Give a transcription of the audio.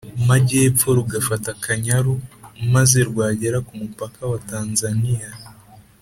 magepfo rugafata Akanyaru, maze rwagera ku mupaka wa Tanzaniya